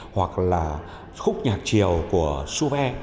hoặc là khúc nhạc chiều của suve